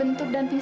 untung udik gedung